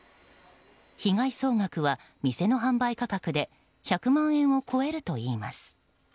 被害総額は店の販売価格で１００万円を超えるといいます。